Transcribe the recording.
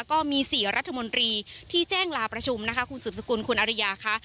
ก็มี๔รัฐมนตรีที่แจ้งลาประชุมนะคะคุณสืบสกุลคุณอริยาค่ะ